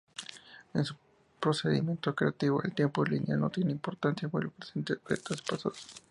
En su procedimiento creativo el tiempo lineal no tiene importancia, vuelve presentes objetos pasados.